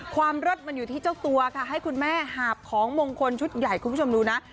เลิศมันอยู่ที่เจ้าตัวค่ะให้คุณแม่หาบของมงคลชุดใหญ่คุณผู้ชมดูนะ